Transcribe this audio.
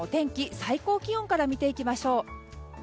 最高気温から見ていきましょう。